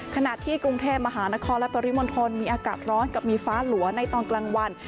ขณะที่กรุงเทพมหานครและปริมณฑลมีอากาศร้อนกับมีฟ้าหลัวในตอนกลางวัน